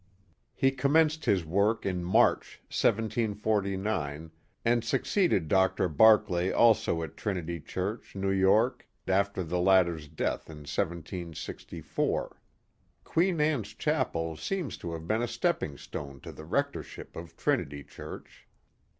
He commenced his work in March, 1749, and succeeded Dr. Barclay also at Trinity Church, New York, after the latter*s death in 1764. Queen Anne's Chapel seems to have been a stepping stone to the rectorship of Trinity Church.